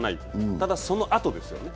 ただ、そのあとですよね。